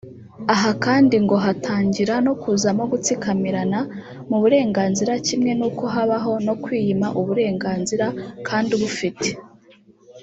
Aha kandi ngo hatangira no kuzamo gutsikamirana mu burenganzira kimwe nuko habaho no kwiyima uburenganzira kandi ubufite